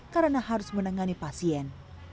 karena harus menangani pasien